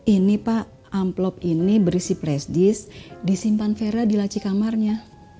ini pak amplop ini berisi presdis disimpan fera dilaci kamarnya